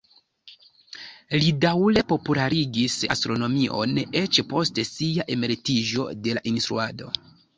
Li daŭre popularigis astronomion eĉ post sia emeritiĝo de la instruado.